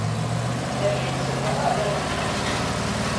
La fuite se fera à bord d'un train.